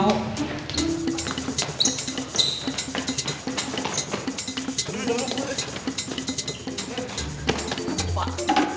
aduh udah mampus